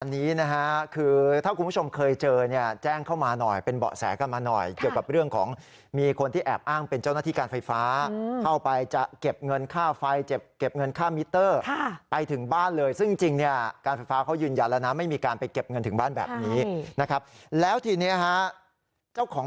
อันนี้นะฮะคือถ้าคุณผู้ชมเคยเจอเนี่ยแจ้งเข้ามาหน่อยเป็นเบาะแสกันมาหน่อยเกี่ยวกับเรื่องของมีคนที่แอบอ้างเป็นเจ้าหน้าที่การไฟฟ้าเข้าไปจะเก็บเงินค่าไฟเก็บเงินค่ามิเตอร์ไปถึงบ้านเลยซึ่งจริงเนี่ยการไฟฟ้าเขายืนยันแล้วนะไม่มีการไปเก็บเงินถึงบ้านแบบนี้นะครับแล้วทีนี้ฮะเจ้าของ